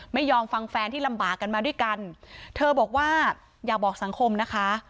ไม่ยอมฟังแฟนที่ลำบากกันมาด้วยกันเธอบอกว่าอยากบอกสังคมนะคะ